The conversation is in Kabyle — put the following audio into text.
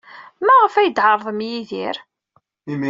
Maɣef ay d-tɛerḍem Yidir?